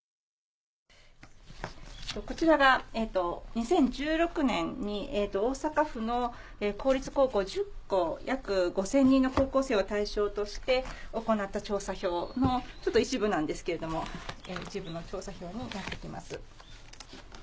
こちらが２０１６年に大阪府の公立高校１０校約５０００人の高校生を対象として行った調査票の一部なんですけれども調査票になってます。